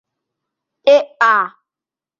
¡E'a!